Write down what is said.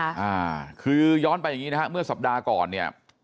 อ่าคือย้อนไปอย่างงี้นะฮะเมื่อสัปดาห์ก่อนเนี่ย